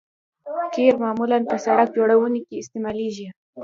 قیر معمولاً په سرک جوړونه کې استعمالیږي